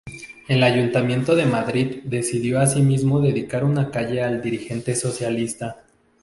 El ayuntamiento de Madrid decidió asimismo dedicar una calle al dirigente socialista.